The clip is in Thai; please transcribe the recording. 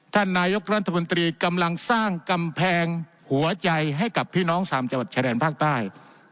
ท่านนายกรัฐมนตรีกำลังสร้างกำแพงหัวใจให้กับพี่น้องสามจังหวัดชายแดนภาคใต้